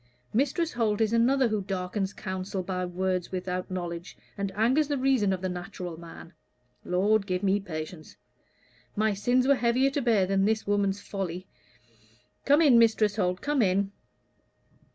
Mistress Holt is another who darkens counsel by words without knowledge, and angers the reason of the natural man. Lord, give me patience. My sins were heavier to bear than this woman's folly. Come in, Mrs. Holt come in."